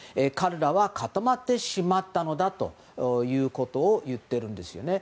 彼らは固まってしまったのだということを言ってるんです。